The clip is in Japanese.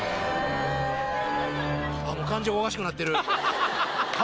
感情おかしくなってる。